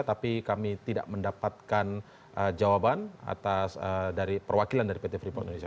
tapi kami tidak mendapatkan jawaban atas dari perwakilan dari pt freeport indonesia